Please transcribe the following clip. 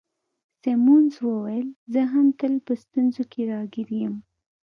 سیمونز وویل: زه هم تل په ستونزو کي راګیر یم.